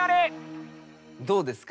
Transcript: どうですか？